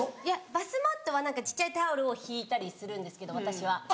バスマットは小っちゃいタオルを敷いたりするんですけど私は。